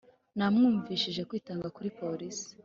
namwumvishije kwitanga kuri polisi.